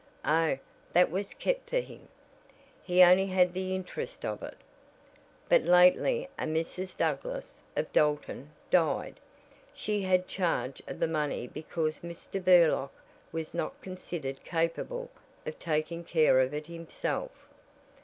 "Oh, that was kept for him. He only had the interest of it. But lately a Mrs. Douglass, of Dalton, died; she had charge of the money because Mr. Burlock was not considered capable of taking care of it himself."